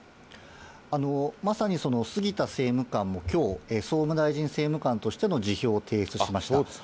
まさにその杉田政務官も、きょう、総務大臣政務官としての辞表を提出しました。